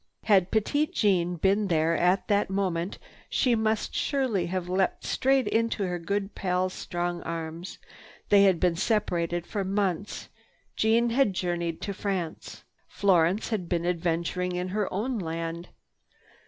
Had Petite Jeanne been there at that moment she must surely have leapt straight into her good pal's strong arms. They had been separated for months, Jeanne had journeyed to France. Florence had been adventuring in her own land.